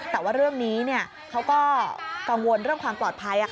แต่ว่าเรื่องนี้เขาก็กังวลเรื่องความปลอดภัย